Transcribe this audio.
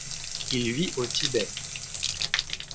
Il vit au Tibet.